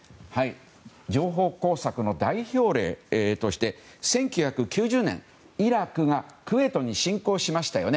情報工作の代表例として１９９０年イラクがクウェートに侵攻しましたよね。